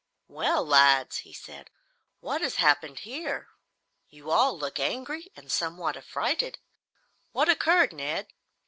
"Well, lads," he said, "what has happened here? You all look angry and somewhat a frighted. What occurred, Ned?"